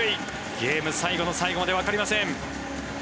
ゲーム最後の最後までわかりません。